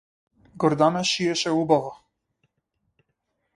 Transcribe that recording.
Гордана шиеше убаво.